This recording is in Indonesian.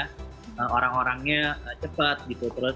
kota yang apa ya megapolitan lah ya kota yang apa ya megapolitan lah ya